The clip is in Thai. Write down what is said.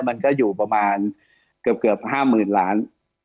มันก็อยู่ประมาณเกือบ๕๐๐๐ล้าน